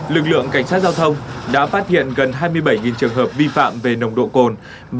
lực lượng cảnh sát giao thông đã phát hiện gần hai mươi bảy trường hợp vi phạm về nồng độ cồn